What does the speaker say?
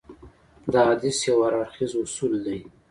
دا حديث يو هراړخيز اصول دی.